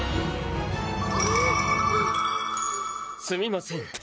すみません！